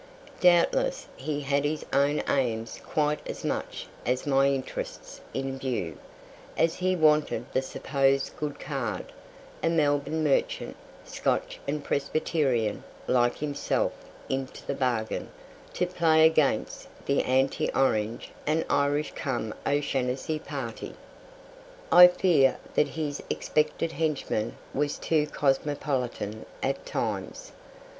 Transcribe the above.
Doubtless he had his own aims quite as much as my interests in view, as he wanted the supposed good card, a Melbourne merchant, Scotch and Presbyterian like himself into the bargain, to play against the anti Orange and Irish cum O'Shanassy party. I fear that his expected henchman was too cosmopolitan at times.